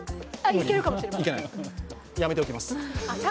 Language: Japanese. やめておきます。